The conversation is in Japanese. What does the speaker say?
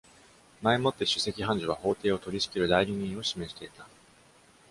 前もって首席判事は法廷を取り仕切る代理人を指名していた。